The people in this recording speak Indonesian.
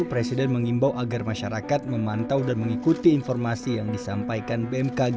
presiden mengimbau agar masyarakat memantau dan mengikuti informasi yang disampaikan bmkg